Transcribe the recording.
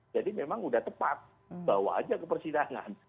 jadi memang udah tepat bawa aja ke persidangan